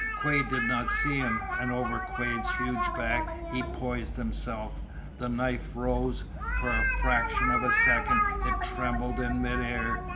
Quade did not see him, and over Quade's huge back he poised himself. The knife rose; for the fraction of a second it trembled in midair.